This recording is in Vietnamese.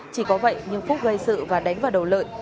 chỉ có vậy nhưng phúc gây sự và đánh vào đầu lợi